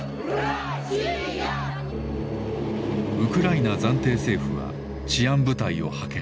ウクライナ暫定政府は治安部隊を派遣。